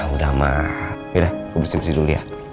udah ma yuk deh gue bersih bersih dulu ya